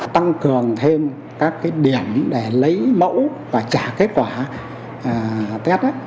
tăng cường thêm các điểm để lấy mẫu và trả kết quả test